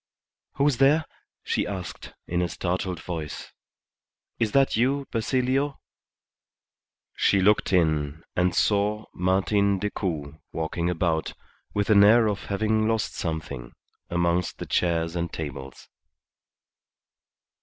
"Who's there?" she asked, in a startled voice. "Is that you, Basilio?" She looked in, and saw Martin Decoud walking about, with an air of having lost something, amongst the chairs and tables.